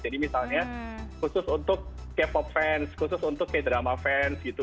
jadi misalnya khusus untuk k pop fans khusus untuk k drama fans gitu